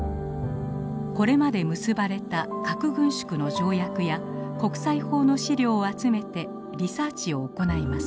これまで結ばれた核軍縮の条約や国際法の資料を集めてリサーチを行います。